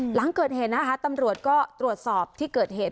หลังเกิดเหตุนะคะตำรวจก็ตรวจสอบที่เกิดเหตุ